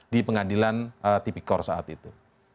di pengadilan tipikor saat itu